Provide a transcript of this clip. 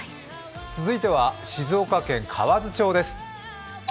続いては静岡県河津町です。